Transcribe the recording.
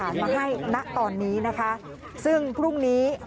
ยังไม่มีการส่งหลักฐานมาให้ยังแค่เมื่อตอนนี้